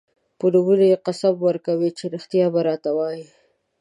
په نومونو یې قسم ورکوي چې رښتیا به راته وايي.